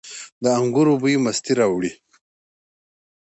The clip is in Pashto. د انګورو بوی مستي راوړي.